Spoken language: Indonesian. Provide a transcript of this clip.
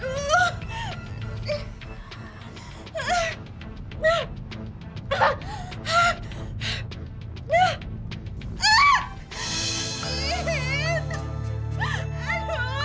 jangan sekitar tiga tahun kita